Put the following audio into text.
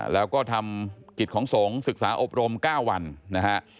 แล้วก็ทำกิจของสงฆ์ศึกษาอบรม๙วันนะฮะ